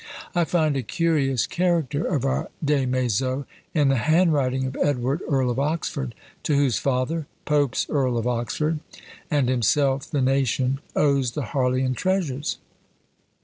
I find a curious character of our Des Maizeaux in the handwriting of Edward, Earl of Oxford, to whose father (Pope's Earl of Oxford) and himself the nation owes the Harleian treasures.